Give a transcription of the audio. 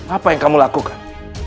apa yang kamu lakukan